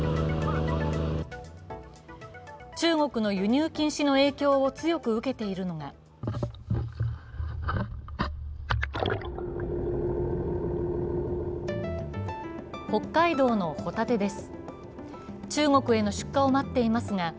中国の輸入禁止の影響を強く受けているのが北海道のほたてです。